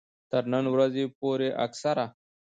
تر نن ورځې پورې اکثره